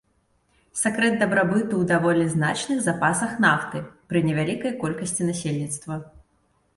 Сакрэт дабрабыту ў даволі значных запасах нафты пры невялікай колькасці насельніцтва.